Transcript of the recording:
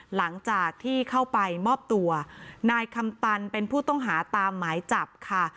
หลังจากที่เข้าไปมอบตัวนายคำตันเป็นผู้ต้องหาตามหมายจับค่ะ